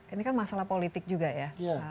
ini kan masalah politik juga ya